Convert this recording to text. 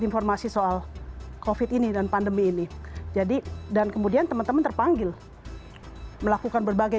informasi soal covid ini dan pandemi ini jadi dan kemudian teman teman terpanggil melakukan berbagai